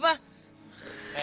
dulu tuh gila apa